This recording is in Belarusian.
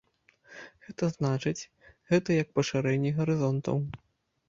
Гэта значыць, гэта як пашырэнне гарызонтаў.